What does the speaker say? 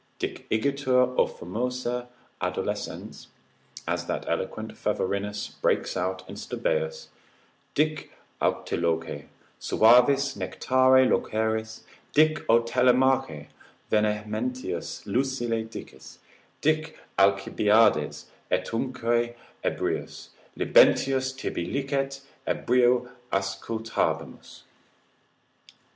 Dic igitur o fomose, adolescens (as that eloquent Phavorinus breaks out in Stobeus) dic Autiloque, suavius nectare loqueris; dic o Telemache, vehementius Ulysse dicis; dic Alcibiades utcunque ebrius, libentius tibi licet ebrio auscultabimus.